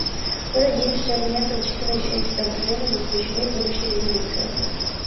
Мы надеемся, что элементы, учитывающие эти соображения, будут включены в будущие резолюции.